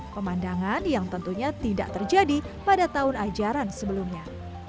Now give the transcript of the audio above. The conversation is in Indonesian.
pemandangan yang tentunya tidak terjadi pada tahun ajaran sebelumnya